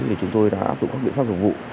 thì chúng tôi đã áp dụng các biện pháp đồng vụ